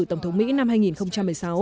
tổng thống mỹ năm hai nghìn một mươi sáu